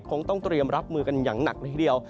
คงต้องเตรียมรับมือกันอย่างหนักเลยทีเดียว